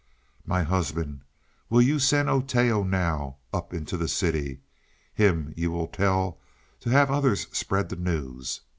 "My husband, will you send Oteo now, up into the city. Him will you tell to have others spread the news.